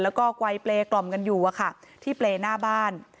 แล้วก็ไกวเปลกล่อมกันอยู่อะค่ะที่เปลหน้าบ้าน